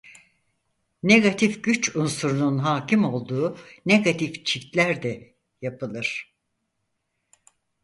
Negatif güç unsurunun hâkim olduğu negatif çiftler de yapılır.